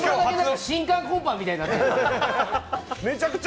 新歓コンパみたいになってる。